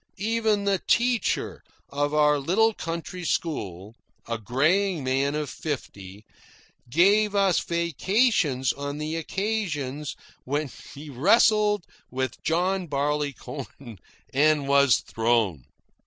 Even the teacher of our little country school, a greying man of fifty, gave us vacations on the occasions when he wrestled with John Barleycorn and was thrown.